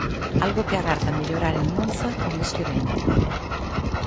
Algo que agarda mellorar en Monza, o mes que vén.